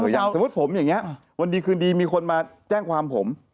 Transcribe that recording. อย่างสมมุติผมอย่างนี้วันดีคืนดีมีคนมาแจ้งความผม